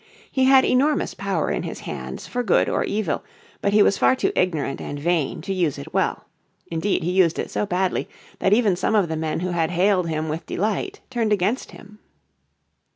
He had enormous power in his hands for good or evil, but he was far too ignorant and vain to use it well. Indeed he used it so badly that even some of the men who had hailed him with delight turned against him.